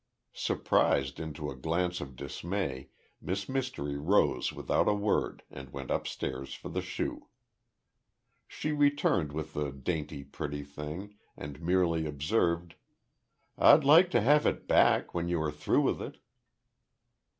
Surprised into a glance of dismay, Miss Mystery rose without a word and went upstairs for the shoe. She returned with the dainty, pretty thing, and merely observed, "I'd like to have it back, when you are through with it."